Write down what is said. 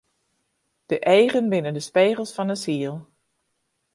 De eagen binne de spegels fan 'e siel.